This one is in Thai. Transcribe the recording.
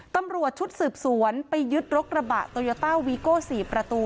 ตำรวจชุดสืบสวนไปยึดรถกระบะโตโยต้าวีโก้๔ประตู